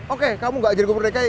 oke kamu nggak ajar gubernur dki